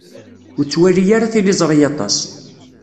Ur ttwali ara tiliẓri aṭas.